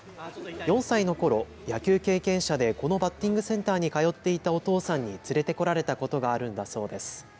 ４歳のころ、野球経験者でこのバッティングセンターに通っていたお父さんに連れてこられたことがあるんだそうです。